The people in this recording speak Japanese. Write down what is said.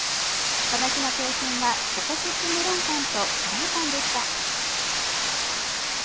この日の景品はチョコチップメロンパンとカレーパンでした。